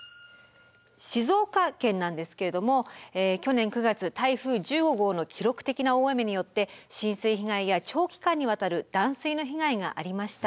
静岡県なんですけれども去年９月台風１０号の記録的な大雨によって浸水被害や長期間にわたる断水の被害がありました。